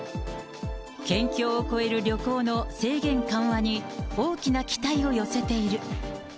県境を越える旅行の制限緩和に大きな期待を寄せている。